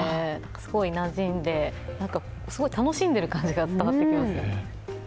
すごいなじんで、すごい楽しんでる感じが伝わってきます。